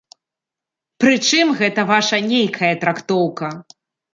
Прычым, гэта ваша нейкая трактоўка.